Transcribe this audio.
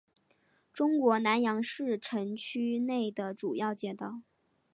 中国南阳市城区内的主要街道。